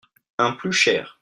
Un plus cher.